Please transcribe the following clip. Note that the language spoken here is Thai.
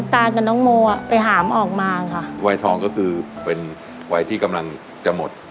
กับน้องโมอ่ะไปหามออกมาค่ะวัยทองก็คือเป็นวัยที่กำลังจะหมด